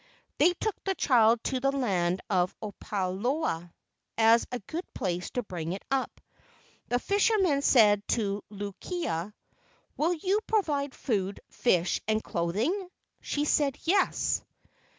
They took the child to the land of Opaeloa, as a good place to bring it up. The fishermen said KE AU NINI 197 to Luu kia, "Will you provide food, fish, and clothing? " She said, "Yes."